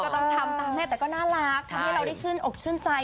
ต้องทำตามแม่แต่ก็น่ารักทำให้เราได้ชื่นอกชื่นใจ